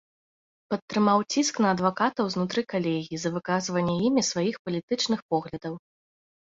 Падтрымаў ціск на адвакатаў знутры калегій за выказванне імі сваіх палітычных поглядаў.